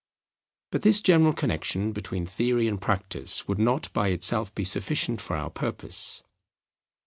But this general connexion between theory and practice would not by itself be sufficient for our purpose.